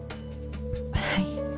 はい。